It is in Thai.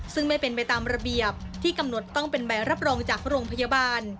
ซึ่งไม่เป็นไปตามระเบียบที่กำหนดต้องเป็นใบรับรองจากโรงพยาบาล